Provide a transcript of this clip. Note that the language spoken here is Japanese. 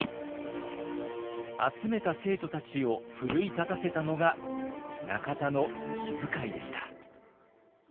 集めた生徒たちを奮い立たせたのが中田の気づかいでした。